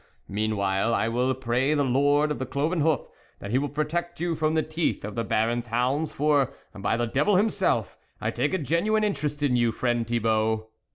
Meanwhile, I will pray the lord of the cloven hoof that he will protect you from the teeth of the Baron's hounds, for, by the devil himself, I take a genuine interest in you, friend Thibault."